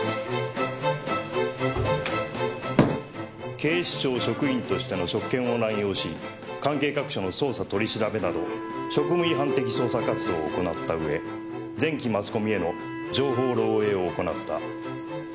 「警視庁職員としての職権を乱用し関係各所の捜査取り調べなど職務違反的捜査活動を行ったうえ前記マスコミへの情報漏えいを行った」